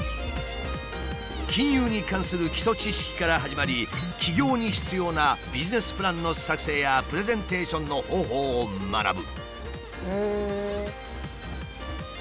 金融に関する基礎知識から始まり起業に必要なビジネスプランの作成やプレゼンテーションの方法を学ぶ。